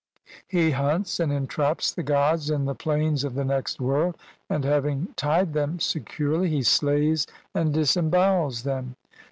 He hunts and entraps the gods in the plains of the next world, and having tied them securely he slays and disembowels them.